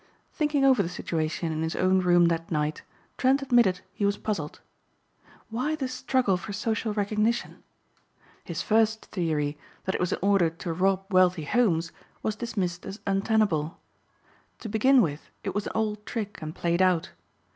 Thinking over the situation in his own room that night Trent admitted he was puzzled. Why this struggle for social recognition? His first theory that it was in order to rob wealthy homes was dismissed as untenable. To begin with it was an old trick and played out.